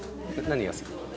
何が好き？